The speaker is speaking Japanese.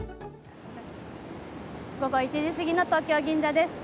午後１時すぎの東京・銀座です。